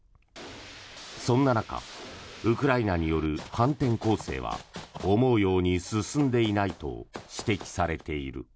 そんな中ウクライナによる反転攻勢は思うように進んでいないと指摘されている。